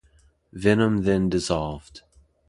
Venom then dissolved.